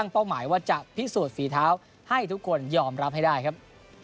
เป้าหมายว่าจะพิสูจน์ฝีเท้าให้ทุกคนยอมรับให้ได้ครับ